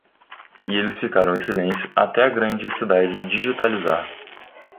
E eles ficaram em silêncio até a grande cidade digitalizar.